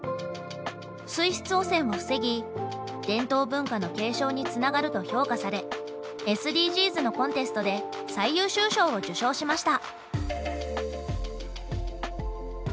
水質汚染を防ぎ伝統文化の継承につながると評価されＳＤＧｓのコンテストで最優秀賞を受賞しました。